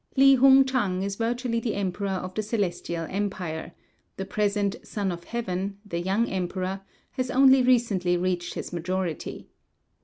Li Hung Chang is virtually the emperor of the Celestial Empire; the present "Son of Heaven" (the young emperor) has only recently reached his majority.